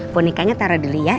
punikanya taro dulu ya